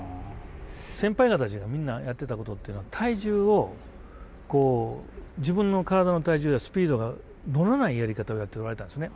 先輩たちがみんなやってたことっていうのは体重をこう自分の体の体重やスピードが乗らないやり方をやっておられたんですね。